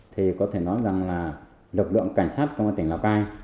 thì có thể nói rằng là lực lượng cảnh sát công an tỉnh lào cai